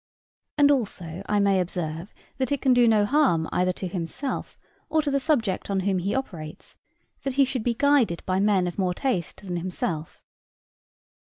And also, I may observe, that it can do no harm either to himself or to the subject on whom he operates, that he should be guided by men of more taste than himself.